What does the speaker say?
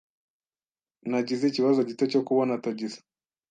Nagize ikibazo gito cyo kubona tagisi.